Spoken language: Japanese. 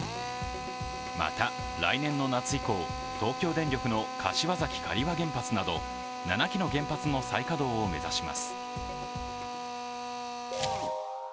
また、来年の夏以降、東京電力の柏崎刈羽原発など７基の原発の再稼働を目指します。